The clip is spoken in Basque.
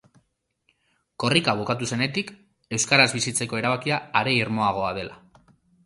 Korrika bukatu zenetik, euskaraz bizitzeko erabakia are irmoagoa dela.